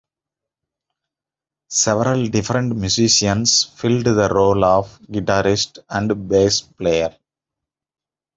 Several different musicians filled the role of guitarist and bass player.